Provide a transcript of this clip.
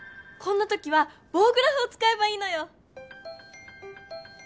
こんなときはぼうグラフを使えばいいのよ！